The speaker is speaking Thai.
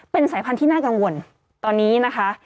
เป็นสายพันธุ์ที่น่ากังวลตอนนี้นะคะ